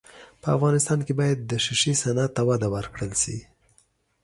په افغانستان کې باید د ښیښې صنعت ته وده ورکړل سي.